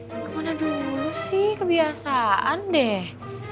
bagaimana dulu sih kebiasaan deh